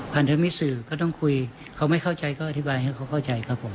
เธอมีสื่อก็ต้องคุยเขาไม่เข้าใจก็อธิบายให้เขาเข้าใจครับผม